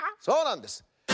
そうなんです。